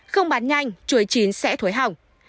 không bán nhanh chuối chín sẽ thối hỏng